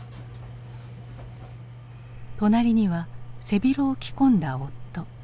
隣には背広を着込んだ夫。